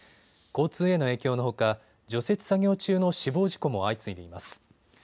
交通への影響のほか除雪作業中の死亡事故も相次いでいます。